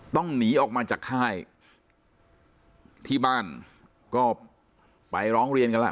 ต้องหนีออกมาจากค่ายที่บ้านก็ไปร้องเรียนกันแล้ว